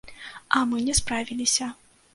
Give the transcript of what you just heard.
А мы не справіліся.